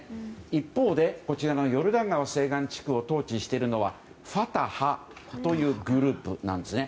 一方でこちらのヨルダン川西岸地区を統治しているのはファタハというグループなんですね。